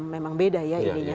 memang beda ya ininya